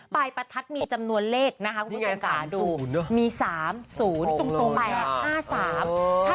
ปลายประทัดมีจำนวนเลขนะฮะนี่ไงสามศูนย์มีสามศูนย์ตรงตรงไปอ้าสามเออ